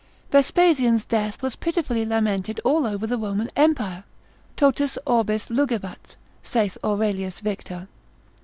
Vespasian's death was pitifully lamented all over the Roman empire, totus orbis lugebat, saith Aurelius Victor.